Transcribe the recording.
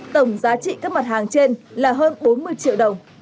tổng giá trị các mặt hàng trên là hơn bốn mươi triệu đồng